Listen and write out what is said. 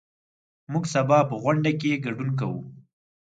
موږ سبا په غونډه کې ګډون کوو.